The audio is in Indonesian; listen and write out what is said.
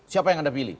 siapa yang anda pilih